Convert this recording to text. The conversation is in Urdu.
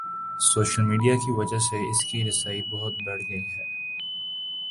سوشل میڈیا کی وجہ سے اس کی رسائی بہت بڑھ گئی ہے۔